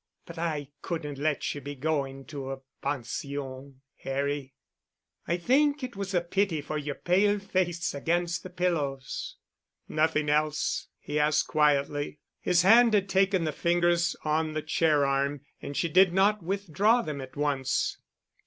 But I couldn't let you be going to a pension, Harry. I think it was the pity for your pale face against the pillows." "Nothing else?" he asked quietly. His hand had taken the fingers on the chair arm and she did not withdraw them at once.